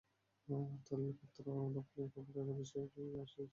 তেলক্ষেত্র দখলের খবরের বিষয়ে সিরিয়া সরকারের পক্ষ থেকে কোনো মন্তব্য পাওয়া যায়নি।